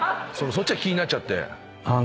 そっちが気になっちゃって。